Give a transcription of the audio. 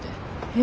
え？